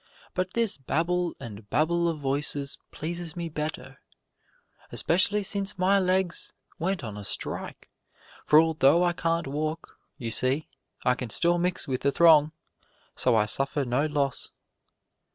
But this babble and babel of voices pleases me better, especially since my legs went on a strike, for although I can't walk, you see I can still mix with the throng, so I suffer no loss.